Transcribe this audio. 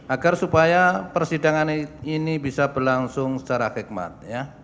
agar supaya persidangan ini bisa berlangsung secara khidmat